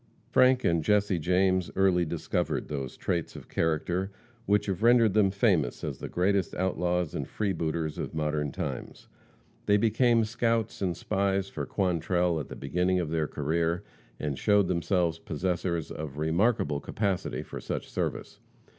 Frank and Jesse James early discovered those traits of character which have rendered them famous as the greatest outlaws and freebooters of modern times. They became scouts and spies for Quantrell at the beginning of their career, and showed themselves possessors of remarkable capacity for such service.